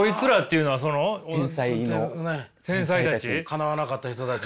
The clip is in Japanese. かなわなかった人たち。